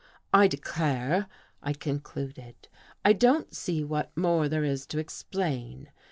" I declare," I concluded, '' I don't see what more there is to explain.